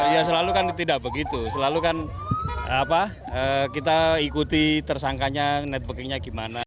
ya selalu kan tidak begitu selalu kan kita ikuti tersangkanya networkingnya gimana